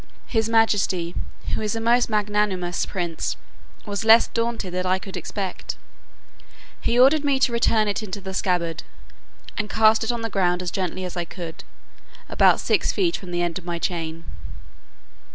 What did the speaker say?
His majesty, who is a most magnanimous prince, was less daunted than I could expect: he ordered me to return it into the scabbard, and cast it on the ground as gently as I could, about six feet from the end of my chain.